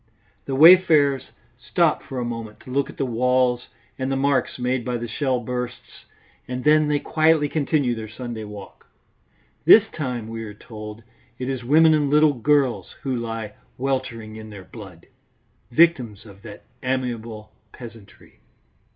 The wayfarers stop for a moment to look at the walls and the marks made by the shell bursts, and then they quietly continue their Sunday walk. This time, we are told, it is women and little girls who lie weltering in their blood, victims of that amiable peasantry.